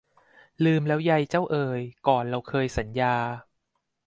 ลืมแล้วไยเจ้าเอย ก่อนเราเคยสัญญา